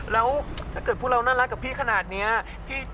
แล้วถ้าเกิดพวกเราน่ารักกับพี่ขนาดนี้